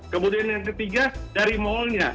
kemudian yang ketiga dari malnya